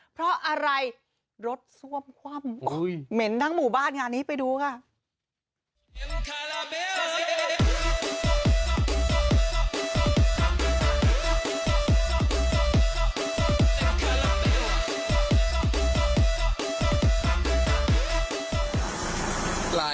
เพราะอะไรรถซ่วมคว่ำเหม็นทั้งหมู่บ้านงานนี้ไปดูค่ะ